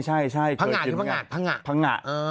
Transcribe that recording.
ผังงะผังงะผังงะ